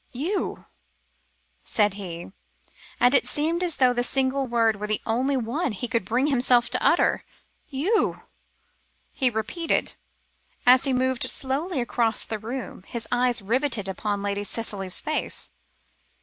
"You?" he said; and it seemed as though that single word were the only one that he could bring himself to utter. "You?" he repeated, as he moved slowly across the room, his eyes riveted upon Lady Cicely's face.